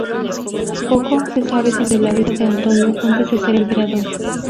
Poco se sabe sobre la vida de Antonino antes de ser emperador.